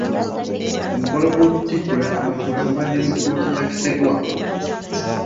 Omukolo gw'okutikkula amakula gubadde mu kkooti ya Kisekwa.